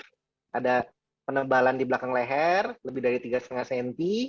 ada penebalan di belakang leher lebih dari tiga lima cm